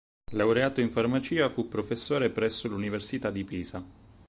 Laureato in Farmacia, fu professore presso l'Università di Pisa.